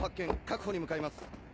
確保に向かいます。